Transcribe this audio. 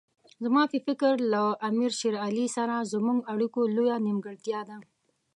زما په فکر له امیر شېر علي سره زموږ اړیکو لویه نیمګړتیا ده.